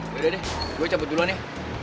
yaudah deh gue cabut duluan ya